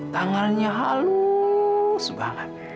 tangannya halus banget